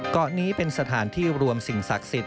เกาะนี้เป็นสถานที่รวมสิ่งศักดิ์สิทธิ